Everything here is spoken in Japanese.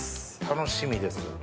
楽しみです。